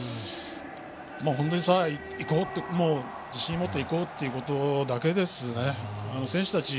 本当にさあ、いこうって自信を持っていこうというだけですね。